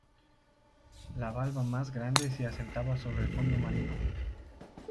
La valva más grande se asentaba sobre el fondo marino.